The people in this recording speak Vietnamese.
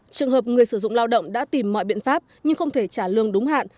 trường hợp người sử dụng lao động đã tìm mọi biện pháp nhưng không thể trả lương đúng hạn